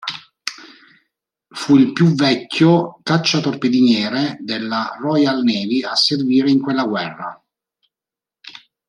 Fu il più vecchio cacciatorpediniere della Royal Navy a servire in quella guerra.